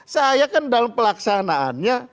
saya kan dalam pelaksanaannya